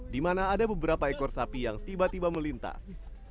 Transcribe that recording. di mana ada beberapa ekor sapi yang tiba tiba melintas